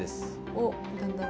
おっだんだん。